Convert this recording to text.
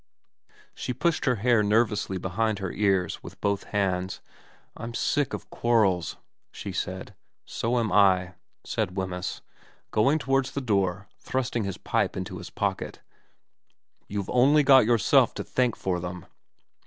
She pushed her hair nervously behind her ears with both hands. ' I'm sick of quarrels,' she said. 246 VERA xxn ' So am I,' said Wemyss, going towards the door thrusting his pipe into his pocket. ' You've only got yourself to thank for them.'